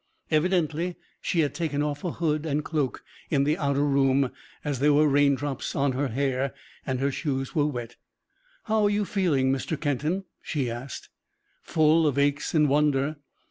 Evidently she had taken off a hood and cloak in an outer room, as there were rain drops on her hair and her shoes were wet. "How are you feeling, Mr. Kenton?" she asked. "Full of aches and wonder."